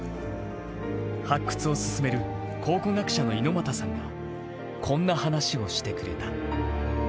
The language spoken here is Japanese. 発掘を進める考古学者の猪俣さんがこんな話をしてくれた。